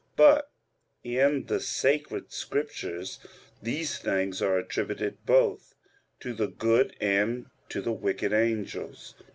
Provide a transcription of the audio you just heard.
But in the Sacred Scriptures these things are attributed both to the good and to the wicked angels.